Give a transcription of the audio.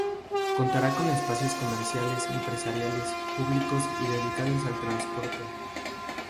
Contará con espacios comerciales, empresariales, públicos y dedicados al transporte.